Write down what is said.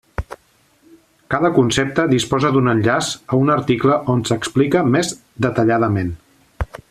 Cada concepte disposa d'un enllaç a un article on s'explica més detalladament.